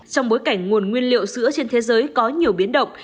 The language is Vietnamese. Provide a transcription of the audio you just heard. trong bối cảnh nguồn nguyên liệu sữa trên thế giới có nhiều biến động